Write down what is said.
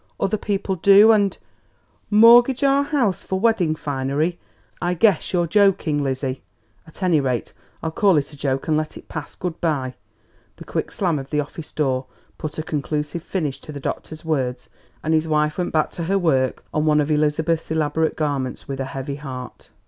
Other people do, and " "Mortgage our house for wedding finery? I guess you're joking, Lizzie. At any rate, I'll call it a joke and let it pass! Good bye!" The quick slam of the office door put a conclusive finish to the doctor's words, and his wife went back to her work on one of Elizabeth's elaborate garments with a heavy heart.